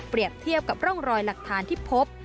เทียบกับร่องรอยหลักฐานที่พบ